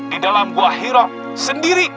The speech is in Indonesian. di dalam guah hirau sendiri